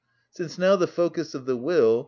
Since now the focus of the will, _i.